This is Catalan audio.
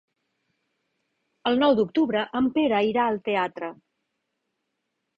El nou d'octubre en Pere irà al teatre.